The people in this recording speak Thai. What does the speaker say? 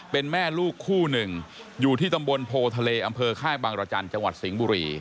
เป็นแม่ลูกคู่หนึ่งอยู่ที่ตำบลโพทะเลอำเภอค่ายบางรจันทร์จังหวัดสิงห์บุรี